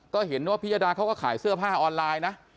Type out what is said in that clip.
ก็เห็นว่าพิยดาเขาก็ขายเสื้อผ้าออนไลน์นะ